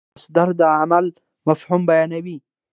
مصدر د عمل مفهوم بیانوي.